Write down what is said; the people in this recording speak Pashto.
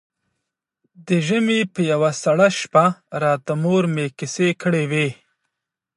د ژمي په يوه سړه شپه راته مور مې کيسې کړې وې.